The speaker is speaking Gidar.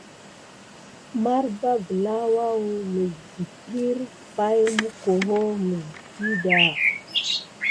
Marba gəlà woua mis dəprire pay mukuho mis ɗədà.